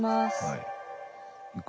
はい。